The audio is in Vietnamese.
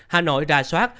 hà nội ra soát